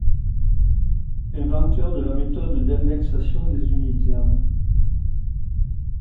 Inventeur de la méthode d'indexation des Uniterms.